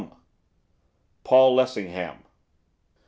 'Paul Lessingham.